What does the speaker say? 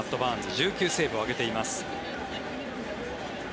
１９セーブを挙げています。